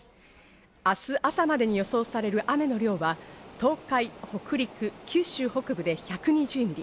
明日朝までに予想される雨の量は東海、北陸、九州北部で１２０ミリ。